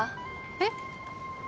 えっ？